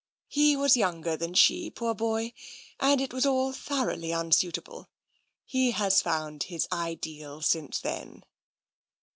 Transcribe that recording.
He was younger than she, poor boy, and it was all thoroughly unsuitable. He has found his ideal since then."